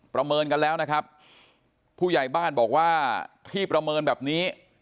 ประเมินกันแล้วนะครับผู้ใหญ่บ้านบอกว่าที่ประเมินแบบนี้